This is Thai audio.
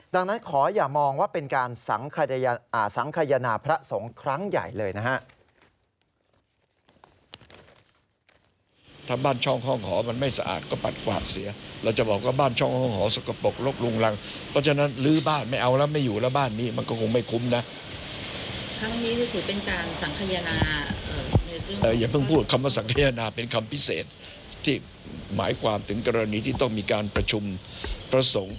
ดังนั้นขออย่ามองว่าเป็นการสังขยนาพระสงฆ์ครั้งใหญ่เลยนะฮะ